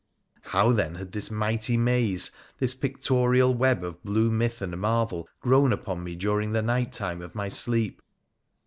How, then, had this mighty maze, this pictorial web of blue myth and marvel, grown upon me during the night time of my sleep